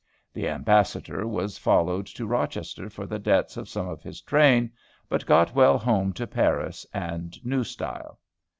The Ambassador was followed to Rochester for the debts of some of his train, but got well home to Paris and New Style.